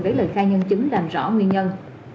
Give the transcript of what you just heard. để lời khai nhân chứng làm rõ nguyên nhân